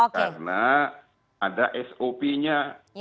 karena ada sop nya